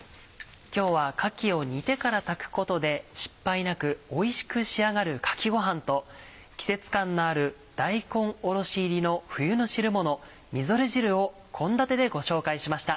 今日はかきを煮てから炊くことで失敗なくおいしく仕上がる「かきごはん」と季節感のある大根おろし入りの冬の汁もの「みぞれ汁」を献立でご紹介しました。